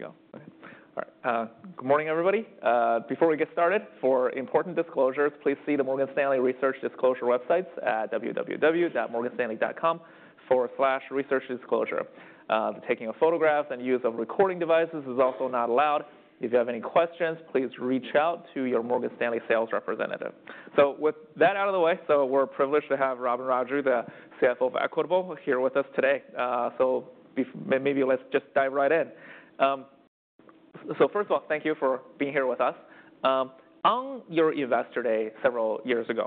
There you go. All right. Good morning, everybody. Before we get started, for important disclosures, please see the Morgan Stanley Research Disclosure websites at www.morganstanley.com/researchdisclosure. Taking photographs and use of recording devices is also not allowed. If you have any questions, please reach out to your Morgan Stanley sales representative. With that out of the way, we're privileged to have Robin Raju, the CFO of Equitable, here with us today. Maybe let's just dive right in. First of all, thank you for being here with us. On your investor day several years ago,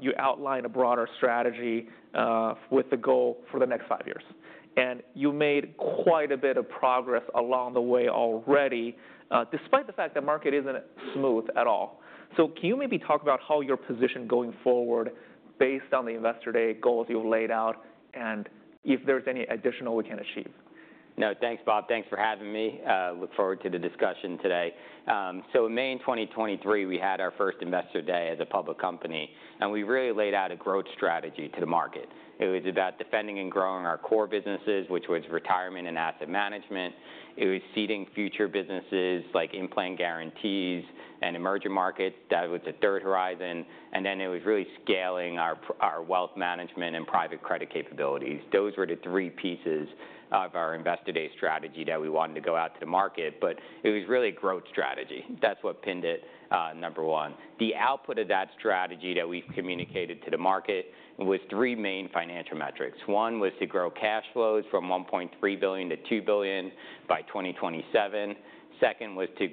you outlined a broader strategy with the goal for the next five years. You made quite a bit of progress along the way already, despite the fact that the market isn't smooth at all. Can you maybe talk about how you're positioned going forward based on the investor day goals you've laid out and if there's any additional we can achieve? No, thanks, Bob. Thanks for having me. I look forward to the discussion today. In May 2023, we had our first investor day as a public company. We really laid out a growth strategy to the market. It was about defending and growing our core businesses, which was retirement and asset management. It was seeding future businesses like in-plan guarantees and emerging markets. That was the third horizon. It was really scaling our wealth management and private credit capabilities. Those were the three pieces of our investor day strategy that we wanted to go out to the market. It was really a growth strategy. That is what pinned it, number one. The output of that strategy that we have communicated to the market was three main financial metrics. One was to grow cash flows from $1.3 billion to $2 billion by 2027. Second was to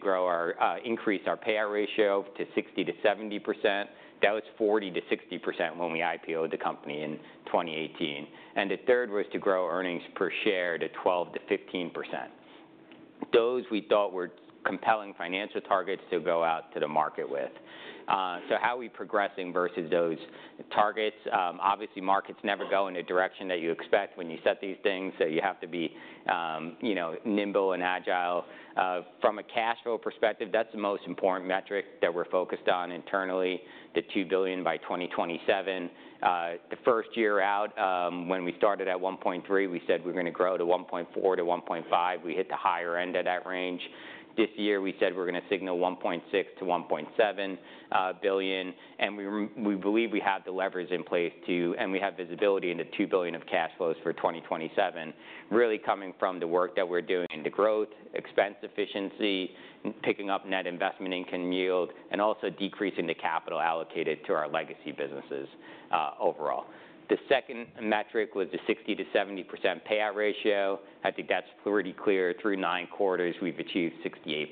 increase our payout ratio to 60%-70%. That was 40%-60% when we IPO'd the company in 2018. The third was to grow earnings per share to 12%-15%. Those we thought were compelling financial targets to go out to the market with. How are we progressing versus those targets? Obviously, markets never go in the direction that you expect when you set these things. You have to be nimble and agile. From a cash flow perspective, that's the most important metric that we're focused on internally, the $2 billion by 2027. The first year out, when we started at $1.3 billion, we said we're going to grow to $1.4 billion-$1.5 billion. We hit the higher end of that range. This year, we said we're going to signal $1.6 billion-$1.7 billion. We believe we have the levers in place to, and we have visibility into $2 billion of cash flows for 2027, really coming from the work that we're doing in the growth, expense efficiency, picking up net investment income yield, and also decreasing the capital allocated to our legacy businesses overall. The second metric was the 60%-70% payout ratio. I think that's pretty clear. Through nine quarters, we've achieved 68%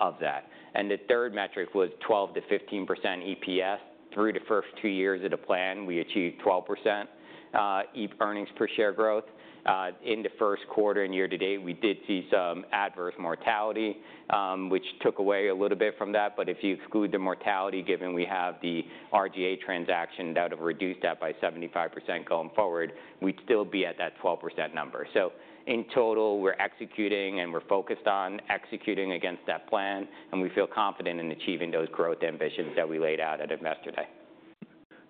of that. The third metric was 12%-15% EPS. Through the first two years of the plan, we achieved 12% earnings per share growth. In the first quarter and year to date, we did see some adverse mortality, which took away a little bit from that. If you exclude the mortality, given we have the RGA transaction that would have reduced that by 75% going forward, we'd still be at that 12% number. In total, we're executing and we're focused on executing against that plan. We feel confident in achieving those growth ambitions that we laid out at investor day.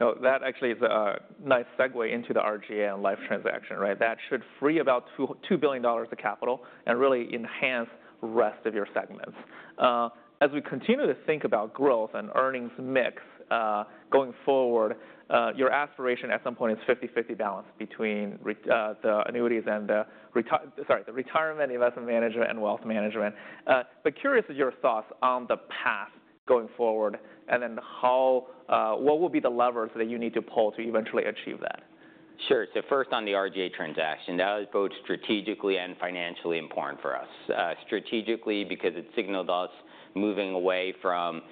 That actually is a nice segue into the RGA and life transaction. That should free about $2 billion of capital and really enhance the rest of your segments. As we continue to think about growth and earnings mix going forward, your aspiration at some point is 50/50 balance between the annuities and the retirement investment management and wealth management. Curious of your thoughts on the path going forward and then what will be the levers that you need to pull to eventually achieve that? Sure. First, on the RGA transaction, that was both strategically and financially important for us. Strategically because it signaled us moving away from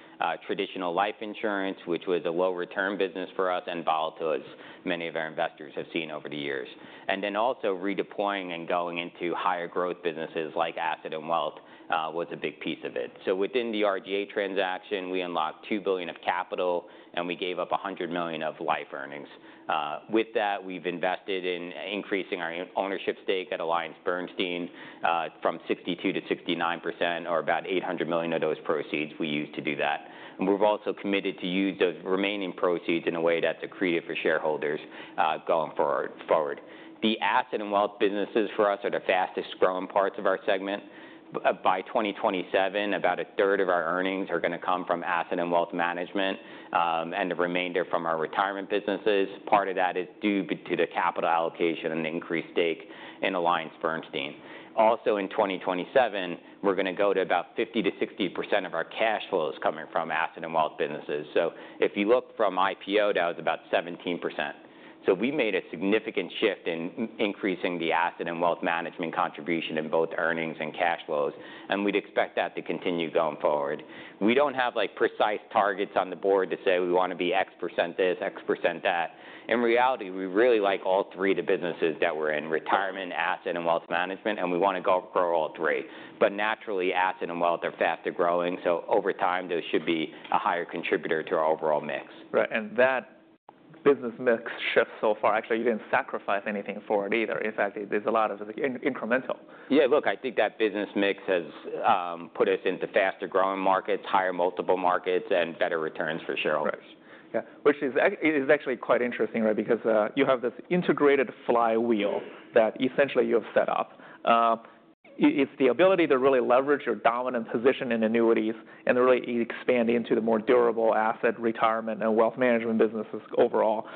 traditional life insurance, which was a low-return business for us and volatile as many of our investors have seen over the years. Also, redeploying and going into higher growth businesses like asset and wealth was a big piece of it. Within the RGA transaction, we unlocked $2 billion of capital, and we gave up $100 million of life earnings. With that, we have invested in increasing our ownership stake at AllianceBernstein from 62% to 69%, or about $800 million of those proceeds we used to do that. We have also committed to use those remaining proceeds in a way that is accretive for shareholders going forward. The asset and wealth businesses for us are the fastest growing parts of our segment. By 2027, about a third of our earnings are going to come from asset and wealth management and the remainder from our retirement businesses. Part of that is due to the capital allocation and increased stake in AllianceBernstein. Also, in 2027, we're going to go to about 50%-60% of our cash flows coming from asset and wealth businesses. If you look from IPO, that was about 17%. We made a significant shift in increasing the asset and wealth management contribution in both earnings and cash flows. We would expect that to continue going forward. We do not have precise targets on the board to say we want to be X percentage this, X percentile that. In reality, we really like all three of the businesses that we're in: retirement, asset, and wealth management. We want to grow all three. Naturally, asset and wealth are faster growing. Over time, those should be a higher contributor to our overall mix. That business mix shifts so far. Actually, you didn't sacrifice anything for it either. In fact, there's a lot of incremental. Yeah, look, I think that business mix has put us into faster growing markets, higher multiple markets, and better returns for shareholders. Which is actually quite interesting because you have this integrated flywheel that essentially you have set up. It's the ability to really leverage your dominant position in annuities and really expand into the more durable asset retirement and wealth management businesses overall.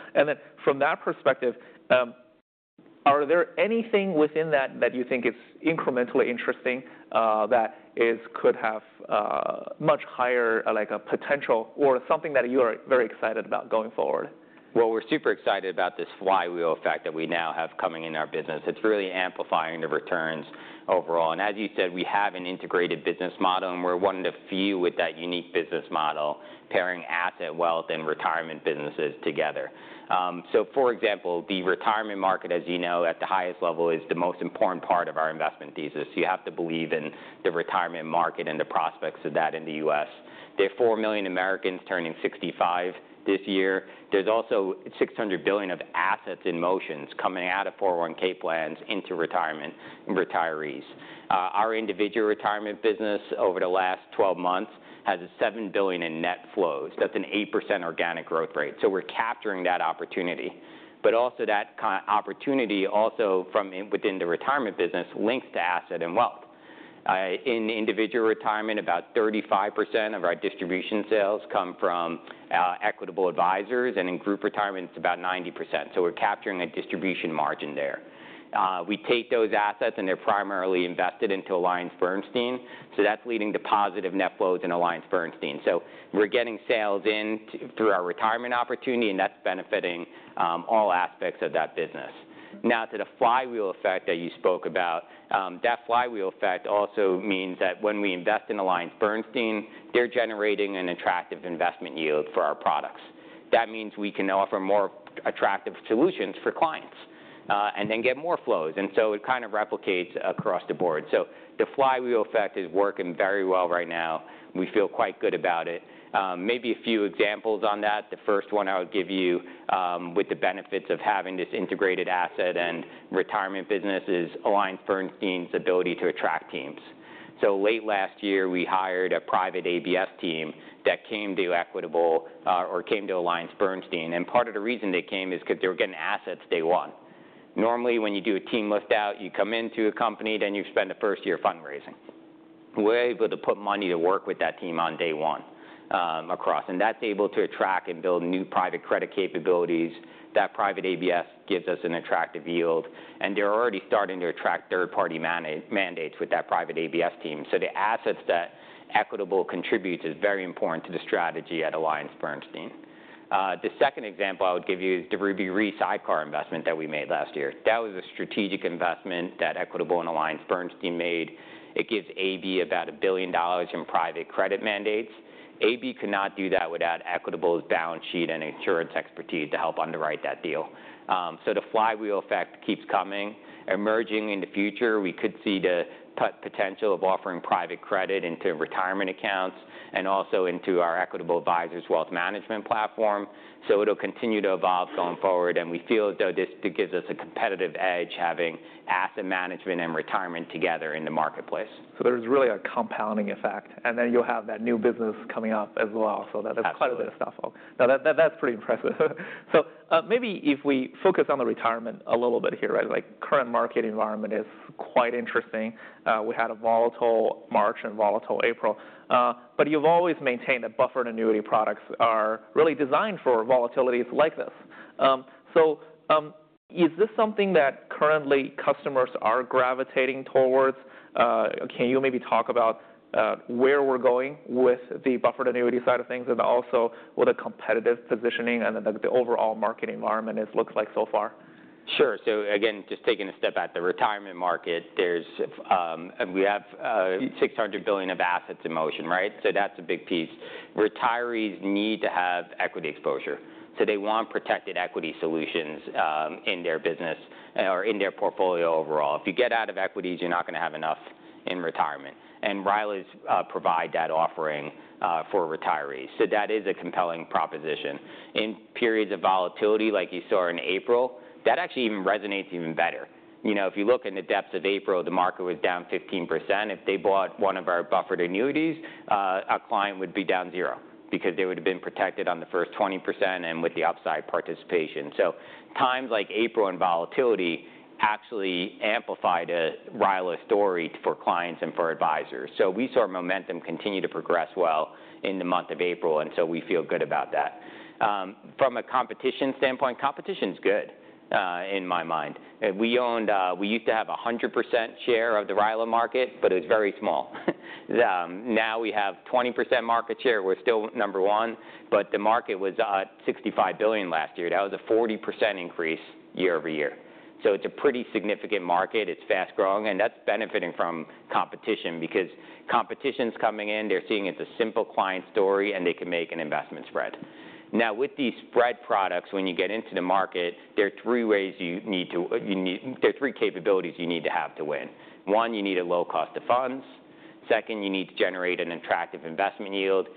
From that perspective, are there anything within that that you think is incrementally interesting that could have much higher potential or something that you are very excited about going forward? We are super excited about this flywheel effect that we now have coming in our business. It is really amplifying the returns overall. As you said, we have an integrated business model. We are one of the few with that unique business model pairing asset, wealth, and retirement businesses together. For example, the retirement market, as you know, at the highest level is the most important part of our investment thesis. You have to believe in the retirement market and the prospects of that in the U.S. There are 4 million Americans turning 65 this year. There is also $600 billion of assets in motion coming out of 401(k) plans into retirement retirees. Our individual retirement business over the last 12 months has $7 billion in net flows. That is an 8% organic growth rate. We are capturing that opportunity. Also, that opportunity from within the retirement business links to asset and wealth. In individual retirement, about 35% of our distribution sales come from Equitable Advisors. In group retirement, it is about 90%. We are capturing a distribution margin there. We take those assets and they are primarily invested into AllianceBernstein. That is leading to positive net flows in AllianceBernstein. We are getting sales in through our retirement opportunity, and that is benefiting all aspects of that business. Now, to the flywheel effect that you spoke about, that flywheel effect also means that when we invest in AllianceBernstein, they are generating an attractive investment yield for our products. That means we can offer more attractive solutions for clients and then get more flows. It kind of replicates across the board. The flywheel effect is working very well right now. We feel quite good about it. Maybe a few examples on that. The first one I'll give you with the benefits of having this integrated asset and retirement business is AllianceBernstein's ability to attract teams. Late last year, we hired a private ABS team that came to Equitable or came to AllianceBernstein. Part of the reason they came is because they were getting assets day one. Normally, when you do a team lift-out, you come into a company, then you spend the first year fundraising. We're able to put money to work with that team on day one across. That is able to attract and build new private credit capabilities. That private ABS gives us an attractive yield. They're already starting to attract third-party mandates with that private ABS team. The assets that Equitable contributes is very important to the strategy at AllianceBernstein. The second example I would give you is the Ruby Reese ICAR investment that we made last year. That was a strategic investment that Equitable and AllianceBernstein made. It gives AB about $1 billion in private credit mandates. AB could not do that without Equitable's balance sheet and insurance expertise to help underwrite that deal. The flywheel effect keeps coming. Emerging in the future, we could see the potential of offering private credit into retirement accounts and also into our Equitable Advisors wealth management platform. It will continue to evolve going forward. We feel as though this gives us a competitive edge having asset management and retirement together in the marketplace. There is really a compounding effect. Then you'll have that new business coming up as well. That is quite a bit of stuff. That's pretty impressive. Maybe if we focus on the retirement a little bit here, current market environment is quite interesting. We had a volatile March and volatile April. You've always maintained that buffered annuity products are really designed for volatilities like this. Is this something that currently customers are gravitating towards? Can you maybe talk about where we're going with the buffered annuity side of things and also what a competitive positioning and the overall market environment looks like so far? Sure. Again, just taking a step out, the retirement market, we have $600 billion of assets in motion. That is a big piece. Retirees need to have equity exposure. They want protected equity solutions in their business or in their portfolio overall. If you get out of equities, you are not going to have enough in retirement. And RILAs provide that offering for retirees. That is a compelling proposition. In periods of volatility, like you saw in April, that actually even resonates even better. If you look in the depths of April, the market was down 15%. If they bought one of our buffered annuities, a client would be down zero because they would have been protected on the first 20% and with the upside participation. Times like April and volatility actually amplified a RILA story for clients and for advisors. We saw momentum continue to progress well in the month of April. We feel good about that. From a competition standpoint, competition is good in my mind. We used to have a 100% share of the RILA market, but it was very small. Now we have 20% market share. We're still number one. The market was $65 billion last year. That was a 40% increase year-over-year. It is a pretty significant market. It is fast growing. That is benefiting from competition because competition is coming in. They are seeing it is a simple client story, and they can make an investment spread. Now, with these spread products, when you get into the market, there are three ways you need to—there are three capabilities you need to have to win. One, you need a low cost of funds. Second, you need to generate an attractive investment yield.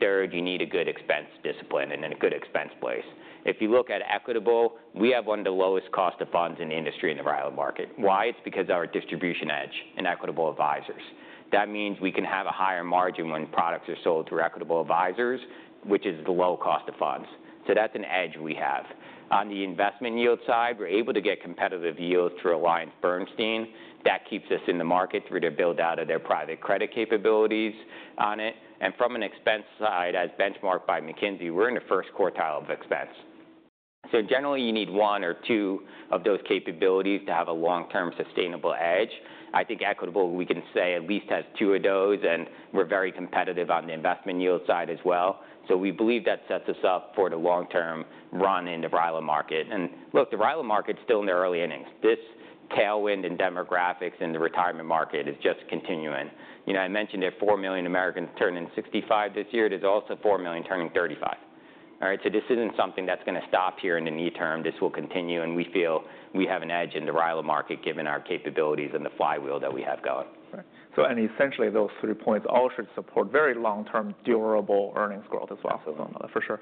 Third, you need a good expense discipline and a good expense place. If you look at Equitable, we have one of the lowest cost of funds in the industry in the RILA market. Why? It's because of our distribution edge in Equitable Advisors. That means we can have a higher margin when products are sold through Equitable Advisors, which is the low cost of funds. That's an edge we have. On the investment yield side, we're able to get competitive yield through AllianceBernstein. That keeps us in the market through their build-out of their private credit capabilities on it. From an expense side, as benchmarked by McKinsey, we're in the first quartile of expense. Generally, you need one or two of those capabilities to have a long-term sustainable edge. I think Equitable, we can say, at least has two of those. We are very competitive on the investment yield side as well. We believe that sets us up for the long-term run in the RILA market. The RILA market is still in the early innings. This tailwind and demographics in the retirement market is just continuing. I mentioned that 4 million Americans turn 65 this year. There are also 4 million turning 35. This is not something that is going to stop here in the near term. This will continue. We feel we have an edge in the RILA market given our capabilities and the flywheel that we have going. Essentially, those three points all should support very long-term durable earnings growth as well. For sure.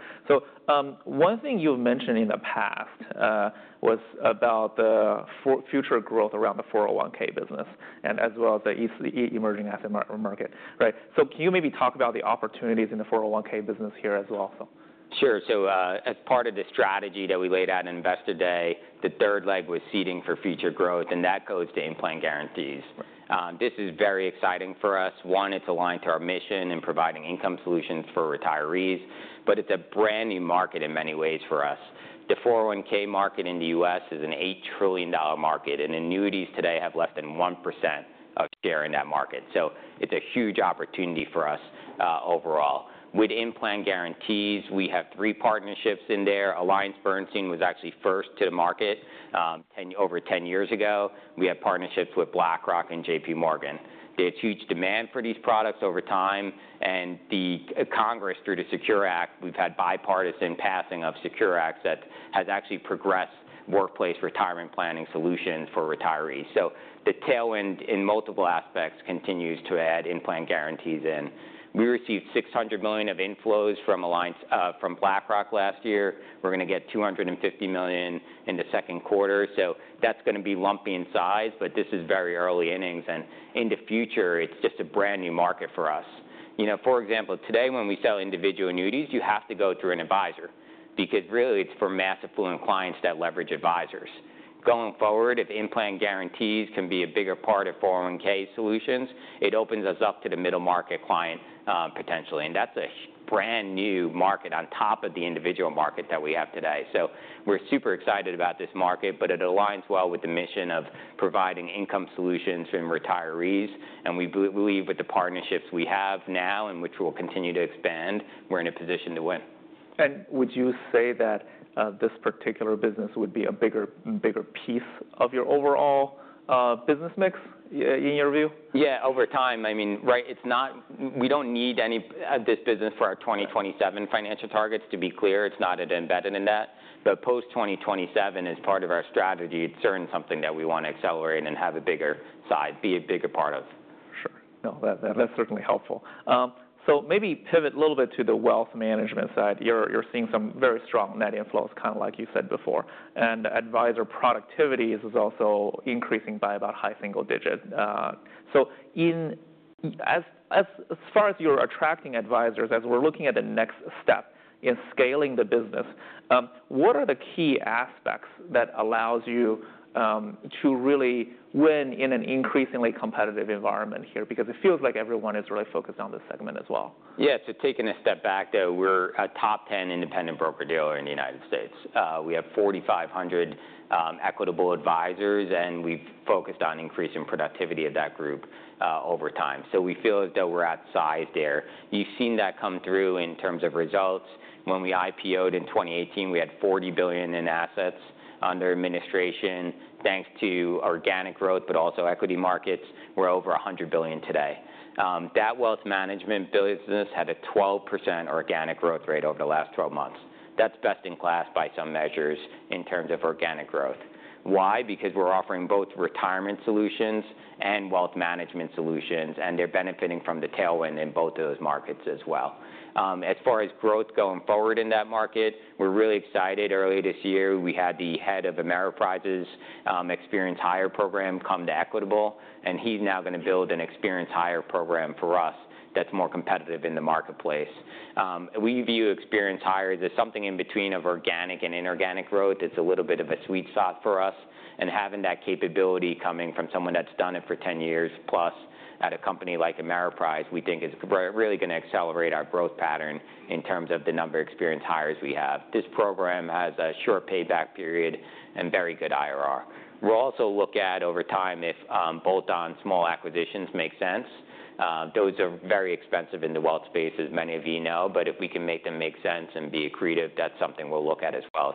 One thing you've mentioned in the past was about the future growth around the 401(k) business and as well as the emerging asset market. Can you maybe talk about the opportunities in the 401(k) business here as well? Sure. As part of the strategy that we laid out in Investor Day, the third leg was seeding for future growth. That goes to in-plan guarantees. This is very exciting for us. One, it's aligned to our mission in providing income solutions for retirees. It's a brand new market in many ways for us. The 401(k) market in the U.S. is an $8 trillion market. Annuities today have less than 1% of share in that market. It's a huge opportunity for us overall. With in-plan guarantees, we have three partnerships in there. AllianceBernstein was actually first to the market over 10 years ago. We have partnerships with BlackRock and JPMorgan. There's huge demand for these products over time. Congress, through the SECURE Act, we've had bipartisan passing of SECURE Acts that has actually progressed workplace retirement planning solutions for retirees. The tailwind in multiple aspects continues to add in-plan guarantees in. We received $600 million of inflows from BlackRock last year. We're going to get $250 million in the second quarter. That is going to be lumpy in size. This is very early innings. In the future, it's just a brand new market for us. For example, today when we sell individual annuities, you have to go through an advisor because really it's for mass affluent clients that leverage advisors. Going forward, if in-plan guarantees can be a bigger part of 401(k) solutions, it opens us up to the middle market client potentially. That is a brand new market on top of the individual market that we have today. We're super excited about this market. It aligns well with the mission of providing income solutions for retirees. We believe with the partnerships we have now and which we'll continue to expand, we're in a position to win. Would you say that this particular business would be a bigger piece of your overall business mix in your view? Yeah, over time. I mean, we don't need this business for our 2027 financial targets, to be clear. It's not embedded in that. Post-2027 is part of our strategy. It's certainly something that we want to accelerate and have a bigger side, be a bigger part of. Sure. No, that's certainly helpful. Maybe pivot a little bit to the wealth management side. You're seeing some very strong net inflows, kind of like you said before. Advisor productivity is also increasing by about a high single digit. As far as you're attracting advisors, as we're looking at the next step in scaling the business, what are the key aspects that allow you to really win in an increasingly competitive environment here? It feels like everyone is really focused on this segment as well. Yeah. Taking a step back there, we're a top 10 independent broker-dealer in the United States. We have 4,500 Equitable Advisors. We've focused on increasing productivity of that group over time. We feel as though we're outsized there. You've seen that come through in terms of results. When we IPO'd in 2018, we had $40 billion in assets under administration. Thanks to organic growth, but also equity markets, we're over $100 billion today. That wealth management business had a 12% organic growth rate over the last 12 months. That's best in class by some measures in terms of organic growth. Why? Because we're offering both retirement solutions and wealth management solutions. They're benefiting from the tailwind in both of those markets as well. As far as growth going forward in that market, we're really excited. Early this year, we had the Head of Ameriprise's experience hire program come to Equitable. He's now going to build an experience hire program for us that's more competitive in the marketplace. We view experience hire as something in between organic and inorganic growth. It's a little bit of a sweet spot for us. Having that capability coming from someone that's done it for 10 years plus at a company like Ameriprise, we think is really going to accelerate our growth pattern in terms of the number of experience hires we have. This program has a short payback period and very good IRR. We'll also look at over time if bolt-on small acquisitions make sense. Those are very expensive in the wealth space, as many of you know. If we can make them make sense and be accretive, that's something we'll look at as well.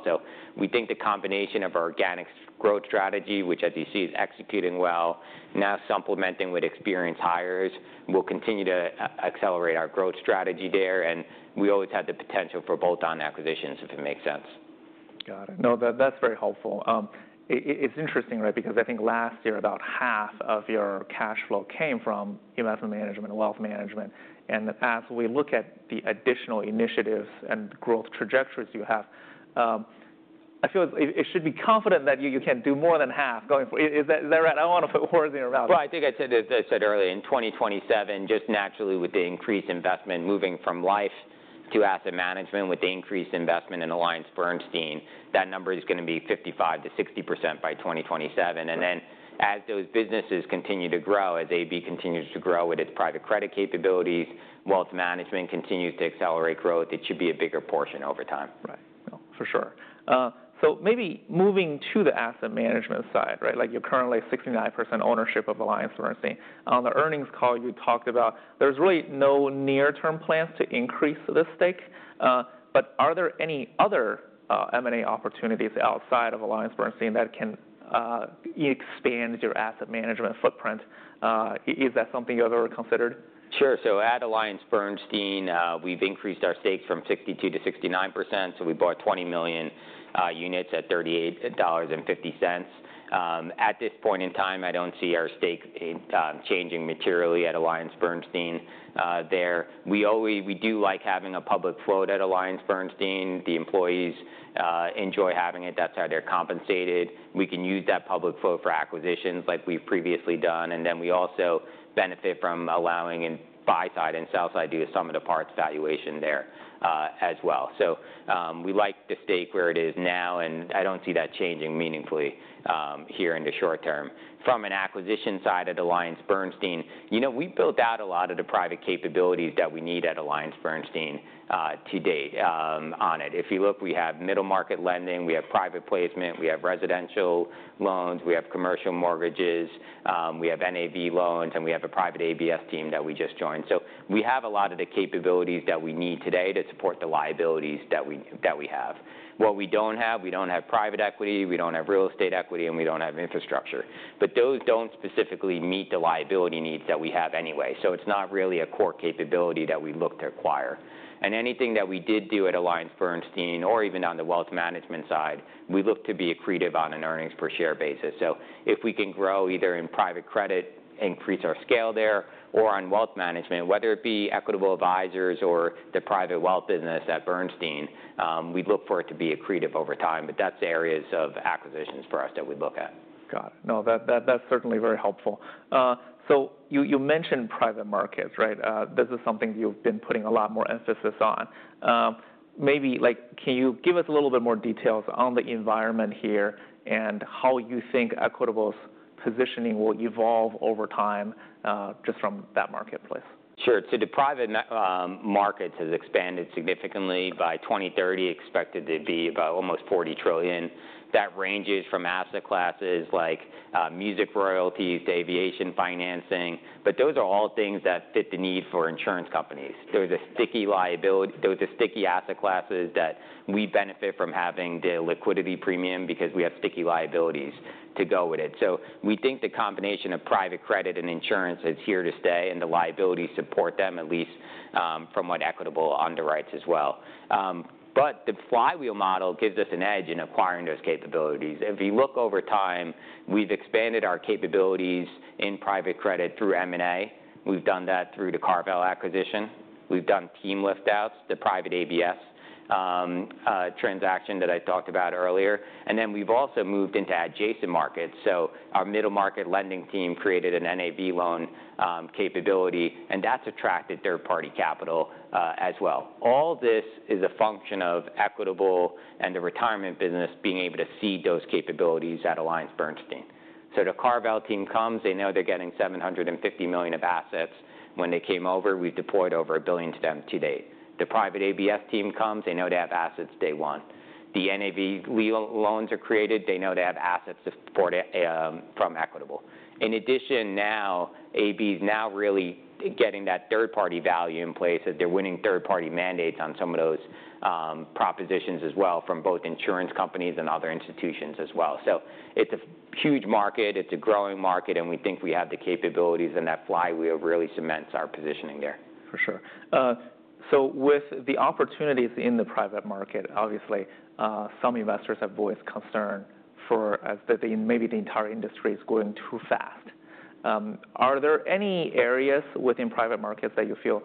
We think the combination of our organic growth strategy, which, as you see, is executing well, now supplementing with experience hires, will continue to accelerate our growth strategy there. We always had the potential for bolt-on acquisitions, if it makes sense. Got it. No, that's very helpful. It's interesting because I think last year about half of your cash flow came from investment management and wealth management. As we look at the additional initiatives and growth trajectories you have, I feel it should be confident that you can't do more than half. Is that right? I don't want to put words in your mouth. I think I said earlier, in 2027, just naturally with the increased investment moving from life to asset management, with the increased investment in AllianceBernstein, that number is going to be 55%-60% by 2027. As those businesses continue to grow, as AB continues to grow with its private credit capabilities, wealth management continues to accelerate growth. It should be a bigger portion over time. Right. For sure. Maybe moving to the asset management side, like your current 69% ownership of AllianceBernstein. On the earnings call, you talked about there's really no near-term plans to increase the stake. Are there any other M&A opportunities outside of AllianceBernstein that can expand your asset management footprint? Is that something you've ever considered? Sure. At AllianceBernstein, we've increased our stake from 62% to 69%. We bought 20 million units at $38.50. At this point in time, I don't see our stake changing materially at AllianceBernstein. We do like having a public float at AllianceBernstein. The employees enjoy having it. That's how they're compensated. We can use that public float for acquisitions like we've previously done. We also benefit from allowing buy side and sell side to do some of the parts valuation there as well. We like the stake where it is now. I don't see that changing meaningfully here in the short term. From an acquisition side at AllianceBernstein, we built out a lot of the private capabilities that we need at AllianceBernstein to date. If you look, we have middle market lending. We have private placement. We have residential loans. We have commercial mortgages. We have NAB loans. We have a private ABS team that we just joined. We have a lot of the capabilities that we need today to support the liabilities that we have. What we do not have, we do not have private equity. We do not have real estate equity. We do not have infrastructure. Those do not specifically meet the liability needs that we have anyway. It is not really a core capability that we look to acquire. Anything that we did do at AllianceBernstein, or even on the wealth management side, we look to be accretive on an earnings per share basis. If we can grow either in private credit, increase our scale there, or on wealth management, whether it be Equitable Advisors or the private wealth business at Bernstein, we look for it to be accretive over time. That is areas of acquisitions for us that we look at. Got it. No, that's certainly very helpful. You mentioned private markets. This is something you've been putting a lot more emphasis on. Maybe can you give us a little bit more details on the environment here and how you think Equitable's positioning will evolve over time just from that marketplace? Sure. The private markets have expanded significantly. By 2030, expected to be about almost $40 trillion. That ranges from asset classes like music royalties, aviation financing. Those are all things that fit the need for insurance companies. There are sticky asset classes that we benefit from having the liquidity premium because we have sticky liabilities to go with it. We think the combination of private credit and insurance is here to stay. The liabilities support them, at least from what Equitable underwrites as well. The flywheel model gives us an edge in acquiring those capabilities. If you look over time, we've expanded our capabilities in private credit through M&A. We've done that through the CarVal acquisition. We've done team liftouts, the private ABS transaction that I talked about earlier. We've also moved into adjacent markets. Our middle market lending team created an NAB loan capability. That has attracted third-party capital as well. All this is a function of Equitable and the retirement business being able to see those capabilities at AllianceBernstein. The CarVal team comes. They know they are getting $750 million of assets. When they came over, we have deployed over $1 billion to them to date. The private ABS team comes. They know they have assets day one. The NAB loans are created. They know they have assets from Equitable. In addition, now AB is really getting that third-party value in place as they are winning third-party mandates on some of those propositions as well from both insurance companies and other institutions as well. It is a huge market. It is a growing market. We think we have the capabilities. That flywheel really cements our positioning there. For sure. With the opportunities in the private market, obviously, some investors have voiced concern that maybe the entire industry is growing too fast. Are there any areas within private markets that you feel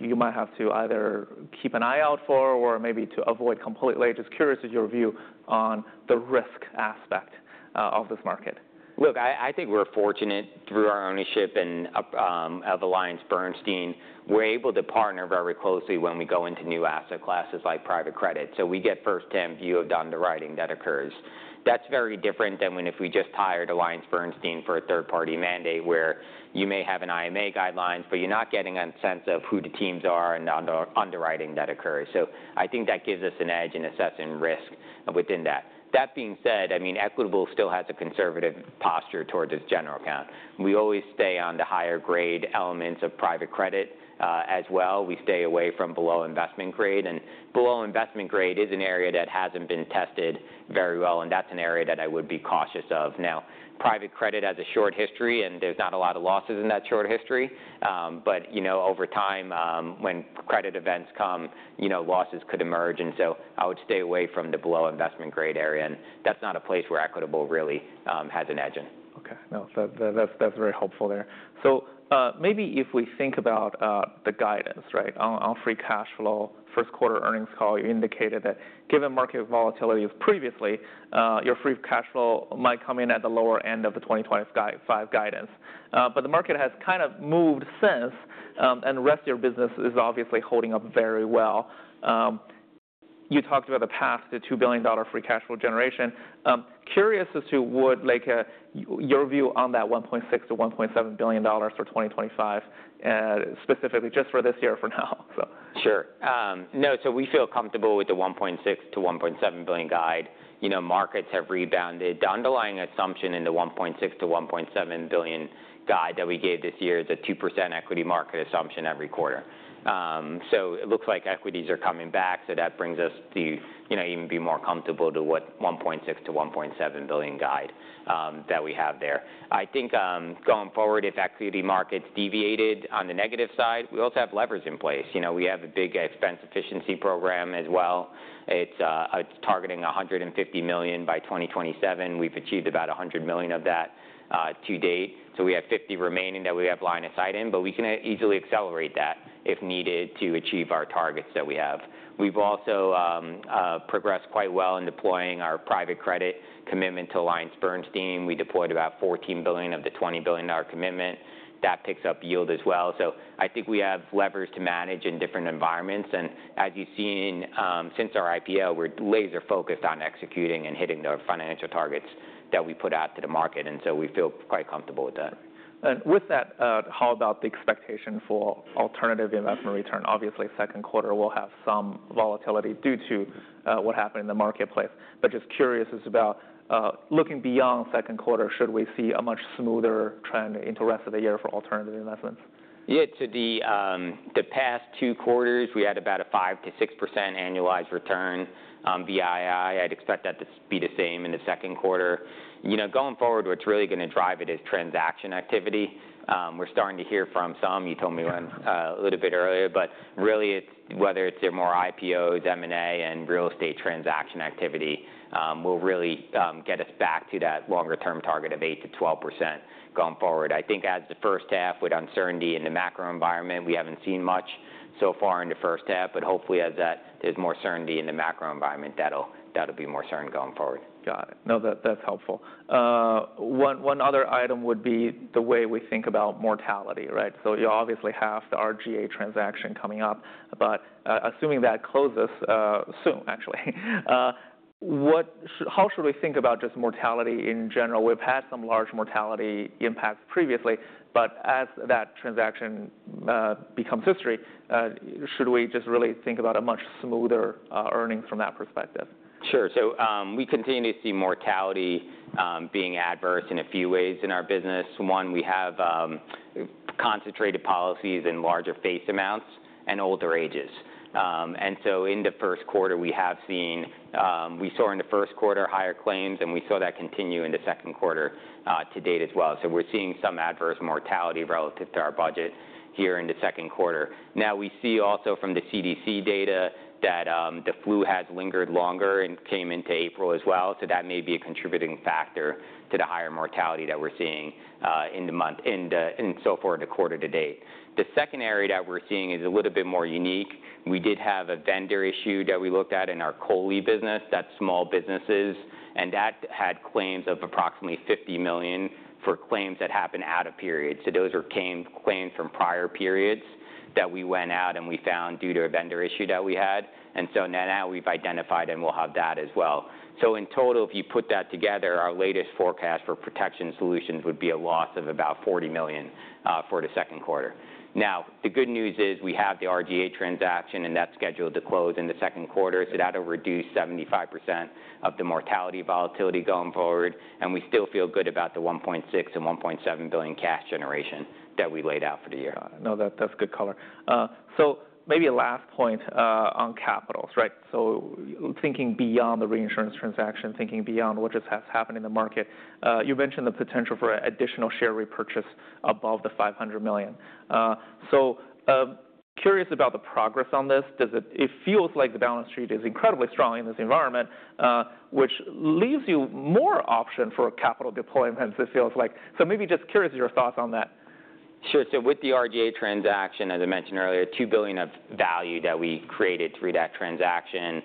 you might have to either keep an eye out for or maybe to avoid completely? Just curious of your view on the risk aspect of this market. Look, I think we're fortunate through our ownership of AllianceBernstein. We're able to partner very closely when we go into new asset classes like private credit. So we get first-hand view of the underwriting that occurs. That's very different than if we just hired AllianceBernstein for a third-party mandate where you may have an IMA guidelines, but you're not getting a sense of who the teams are and the underwriting that occurs. I think that gives us an edge in assessing risk within that. That being said, I mean, Equitable still has a conservative posture towards its general account. We always stay on the higher-grade elements of private credit as well. We stay away from below investment grade. And below investment grade is an area that hasn't been tested very well. That's an area that I would be cautious of. Now, private credit has a short history. There is not a lot of losses in that short history. Over time, when credit events come, losses could emerge. I would stay away from the below investment grade area. That is not a place where Equitable really has an edge in. OK. No, that's very helpful there. Maybe if we think about the guidance on free cash flow, first quarter earnings call, you indicated that given market volatility previously, your free cash flow might come in at the lower end of the 2025 guidance. The market has kind of moved since. The rest of your business is obviously holding up very well. You talked about the past $2 billion free cash flow generation. Curious as to your view on that $1.6-$1.7 billion for 2025, specifically just for this year or for now. Sure. No, so we feel comfortable with the $1.6 billion-$1.7 billion guide. Markets have rebounded. The underlying assumption in the $1.6 billion-$1.7 billion guide that we gave this year is a 2% equity market assumption every quarter. It looks like equities are coming back. That brings us to even be more comfortable with the $1.6 billion-$1.7 billion guide that we have there. I think going forward, if equity markets deviated on the negative side, we also have levers in place. We have a big expense efficiency program as well. It is targeting $150 million by 2027. We have achieved about $100 million of that to date. We have $50 million remaining that we have line of sight in. We can easily accelerate that if needed to achieve our targets that we have. have also progressed quite well in deploying our private credit commitment to AllianceBernstein. We deployed about $14 billion of the $20 billion commitment. That picks up yield as well. I think we have levers to manage in different environments. As you have seen, since our IPO, we are laser-focused on executing and hitting the financial targets that we put out to the market. We feel quite comfortable with that. With that, how about the expectation for alternative investment return? Obviously, second quarter will have some volatility due to what happened in the marketplace. Just curious about looking beyond second quarter, should we see a much smoother trend into the rest of the year for alternative investments? Yeah. For the past two quarters, we had about a 5%-6% annualized return via II. I'd expect that to be the same in the second quarter. Going forward, what's really going to drive it is transaction activity. We're starting to hear from some. You told me a little bit earlier. Really, whether it's more IPOs, M&A, and real estate transaction activity will really get us back to that longer-term target of 8%-12% going forward. I think as the first half, with uncertainty in the macro environment, we haven't seen much so far in the first half. Hopefully, as there's more certainty in the macro environment, that'll be more certain going forward. Got it. No, that's helpful. One other item would be the way we think about mortality. You obviously have the RGA transaction coming up. Assuming that closes soon, actually, how should we think about just mortality in general? We've had some large mortality impacts previously. As that transaction becomes history, should we just really think about a much smoother earnings from that perspective? Sure. We continue to see mortality being adverse in a few ways in our business. One, we have concentrated policies in larger face amounts and older ages. In the first quarter, we saw higher claims. We saw that continue in the second quarter to date as well. We are seeing some adverse mortality relative to our budget here in the second quarter. We also see from the CDC data that the flu has lingered longer and came into April as well. That may be a contributing factor to the higher mortality that we are seeing in the month and so forth the quarter to date. The second area that we are seeing is a little bit more unique. We did have a vendor issue that we looked at in our COLI business. That is small businesses. That had claims of approximately $50 million for claims that happened out of period. Those were claims from prior periods that we went out and we found due to a vendor issue that we had. Now we've identified and we'll have that as well. In total, if you put that together, our latest forecast for Protection Solutions would be a loss of about $40 million for the second quarter. The good news is we have the RGA transaction. That is scheduled to close in the second quarter. That will reduce 75% of the mortality volatility going forward. We still feel good about the $1.6 billion and $1.7 billion cash generation that we laid out for the year. No, that's good color. Maybe a last point on capitals. Thinking beyond the reinsurance transaction, thinking beyond what just has happened in the market, you mentioned the potential for additional share repurchase above the $500 million. Curious about the progress on this. It feels like the balance sheet is incredibly strong in this environment, which leaves you more option for capital deployment, it feels like. Maybe just curious of your thoughts on that. Sure. With the RGA transaction, as I mentioned earlier, $2 billion of value that we created through that transaction.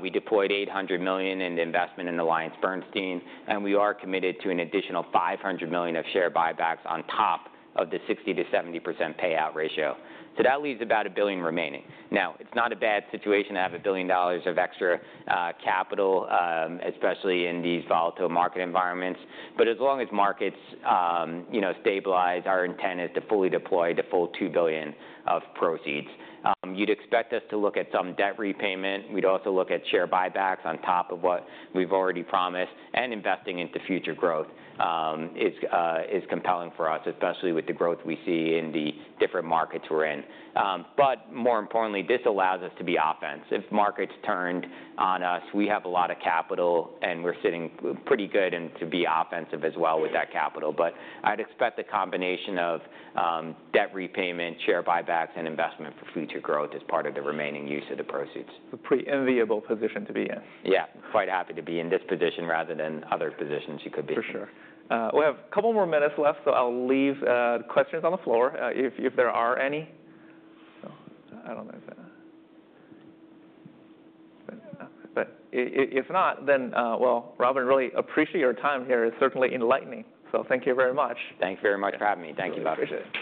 We deployed $800 million in the investment in AllianceBernstein. We are committed to an additional $500 million of share buybacks on top of the 60%-70% payout ratio. That leaves about $1 billion remaining. It is not a bad situation to have $1 billion of extra capital, especially in these volatile market environments. As long as markets stabilize, our intent is to fully deploy the full $2 billion of proceeds. You would expect us to look at some debt repayment. We would also look at share buybacks on top of what we have already promised. Investing into future growth is compelling for us, especially with the growth we see in the different markets we are in. More importantly, this allows us to be offensive. If markets turned on us, we have a lot of capital. We are sitting pretty good to be offensive as well with that capital. I would expect the combination of debt repayment, share buybacks, and investment for future growth as part of the remaining use of the proceeds. A pretty enviable position to be in. Yeah, quite happy to be in this position rather than other positions you could be in. For sure. We have a couple more minutes left. I will leave questions on the floor if there are any. I do not know if that. If not, Robin, really appreciate your time here. It is certainly enlightening. Thank you very much. Thanks very much for having me. Thank you, Bob. Appreciate it.